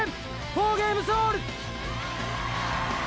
フォーゲームスオール！